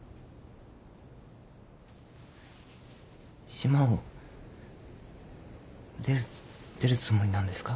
島を出るつ出るつもりなんですか？